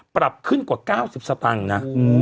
ปรับขึ้นกว่า๙๐สตางค์นะ